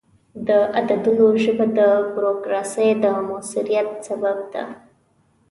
د عددونو ژبه د بروکراسي د موثریت سبب ده.